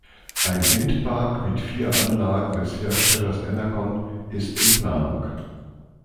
Ein Windpark mit vier Anlagen des Herstellers Enercon ist in Planung.